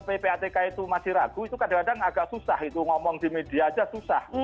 ppatk itu masih ragu itu kadang kadang agak susah itu ngomong di media aja susah